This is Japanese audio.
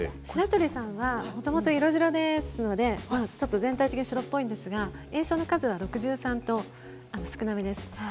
白鳥さんは、もともと色白ですので全体的に白っぽいんですが炎症の数は６３と少なめです。